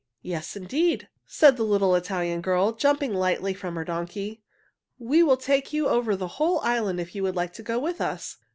"Yes, indeed!" said the little Italian girl, jumping lightly from her donkey. "We will take you over our whole island if you would like to go with us."